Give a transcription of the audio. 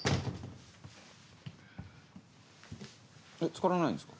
つからないんですか？